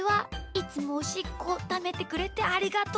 いつもおしっこためてくれてありがとう。